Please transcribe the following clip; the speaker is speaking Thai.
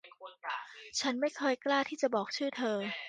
ฉันไม่เคยกล้าที่จะบอกชื่อเธอ